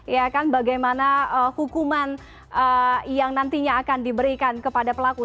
ya kan bagaimana hukuman yang nantinya akan diberikan kepada pelaku